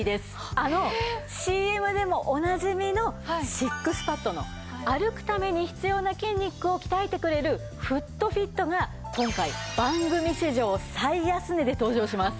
あのＣＭでもおなじみのＳＩＸＰＡＤの歩くために必要な筋肉を鍛えてくれるフットフィットが今回番組史上最安値で登場します。